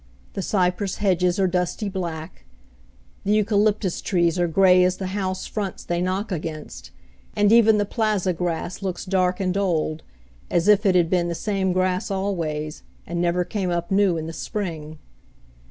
The cypress hedges are dusty black; the eucalyptus trees are gray as the house fronts they knock against, and even the plaza grass looks dark and old, as if it had been the same grass always, and never came up new in the spring.